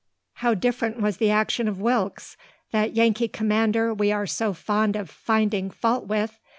How different was the action of Wilkes, that Yankee commander we are so fond of finding fault with!